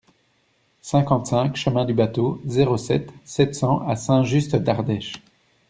cinquante-cinq chemin du Bâteau, zéro sept, sept cents à Saint-Just-d'Ardèche